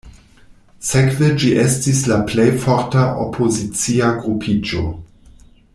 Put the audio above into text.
Sekve ĝi estis la plej forta opozicia grupiĝo.